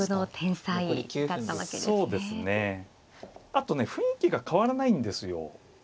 あとね雰囲気が変わらないんですよ。